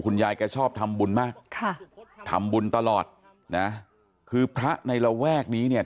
ยายแกชอบทำบุญมากค่ะทำบุญตลอดนะคือพระในระแวกนี้เนี่ย